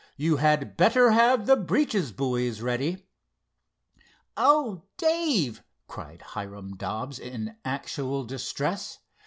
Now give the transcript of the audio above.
You had better have the breeches buoys ready." "Oh, Dave!" cried Hiram Dobbs, in actual distress.